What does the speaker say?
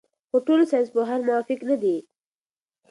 خو ټول ساینسپوهان موافق نه دي.